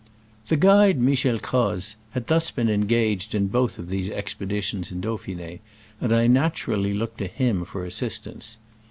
The guide Michel Croz had thus been engaged in both of these expeditions in Dauphin^, and I naturally looked to him for assistance.